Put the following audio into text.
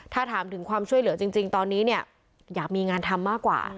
ถ้าถามถึงความช่วยเหลือจริงตอนนี้เนี่ยอยากมีงานทำมากกว่า